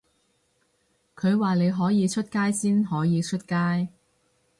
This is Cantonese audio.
佢話你可以出街先可以出街